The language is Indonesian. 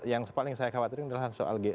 yang paling saya khawatirin adalah soal